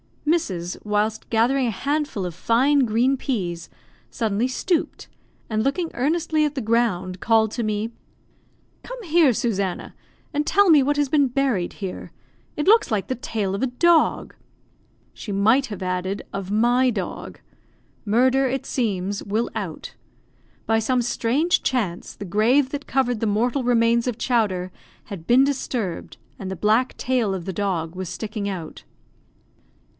Mrs. whilst gathering a handful of fine green peas, suddenly stooped, and looking earnestly at the ground, called to me "Come here, Susanna, and tell me what has been buried here. It looks like the tail of a dog." She might have added, "of my dog." Murder, it seems, will out. By some strange chance, the grave that covered the mortal remains of Chowder had been disturbed, and the black tail of the dog was sticking out.